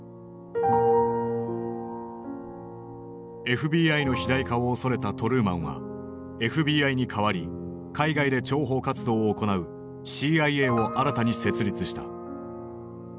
ＦＢＩの肥大化を恐れたトルーマンはＦＢＩに代わり海外で諜報活動を行うＣＩＡを新たに設立した。